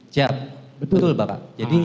siap betul bapak